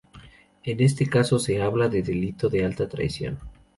En este caso se habla de "delito de alta traición".